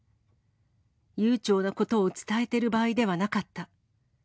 悠長なことを伝えてる場合ではなかった。